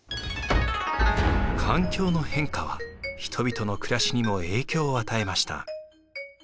環境の変化は人々の暮らしにも影響を与えました。